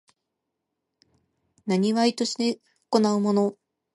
業として行うもの